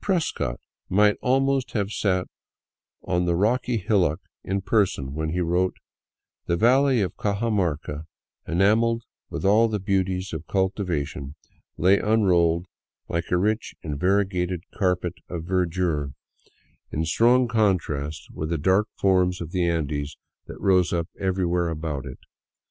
Prescott might almost have sat on the rocky hillock in person when he wrote :" The valley of Cajamarca, enamelled with all the beauties of cultiva tion, lay unrolled like a rich and variegated carpet of verdure, in strong 268 APPROACHING INCA LAND contrast with the dark forms of the Andes that rose up everywhere about it.